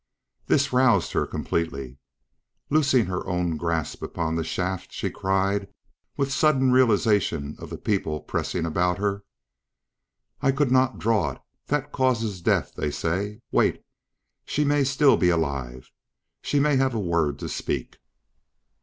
This roused her completely. Loosing her own grasp upon the shaft, she cried, with sudden realization of the people pressing about her: "I could not draw it. That causes death, they say. Wait! she may still be alive. She may have a word to speak."